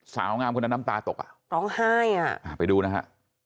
สาวงามคนนั้นน้ำตาตกไปดูนะฮะ